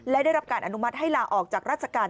และได้รับการอนุมัติให้ลาออกจากราชการ